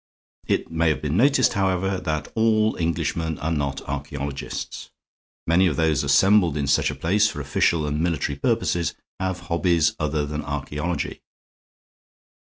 It may have been noticed, however, that all Englishmen are not archaeologists. Many of those assembled in such a place for official and military purposes have hobbies other than archaeology.